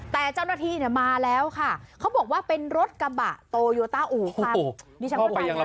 แต่เจ้าหน้าที่เนี้ยมาแล้วค่ะเขาบอกว่าเป็นรถกระบะโตโยต้าโอ้โห